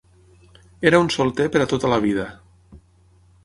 Era un solter per a tota la vida.